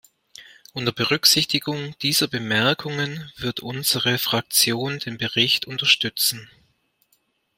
Unter Berücksichtigung dieser Bemerkungen wird unsere Fraktion den Bericht unterstützen.